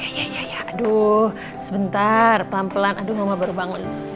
iya iya iya aduh sebentar pelan pelan aduh oma baru bangun